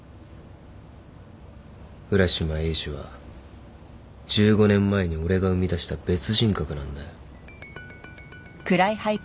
浦島エイジは１５年前に俺が生み出した別人格なんだよ。